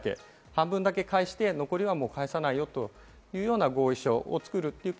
半分だけ返して、残りはもう返さないよというような合意書を作っている。